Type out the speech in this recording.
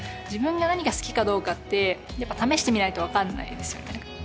自分が何が好きかどうかってやっぱ試してみないと分かんないですよね